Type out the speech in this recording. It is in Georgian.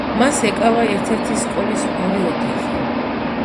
მას ეკავა ერთ-ერთი სკოლის ორი ოთახი.